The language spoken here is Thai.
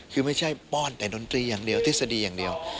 คือไม่ใช่ป้อนแต่ดนตรีอย่างเดียวทฤษฎีอย่างเดียว